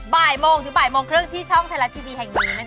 บ่ายโมงถึงบ่ายโมงครึ่งที่ช่องทลาดชีวิตแห่งดีนั่นเองค่ะ